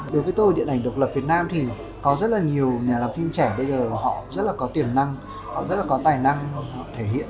đối với tôi điện ảnh độc lập việt nam thì có rất là nhiều nhà làm phim trẻ bây giờ họ rất là có tiềm năng họ rất là có tài năng họ thể hiện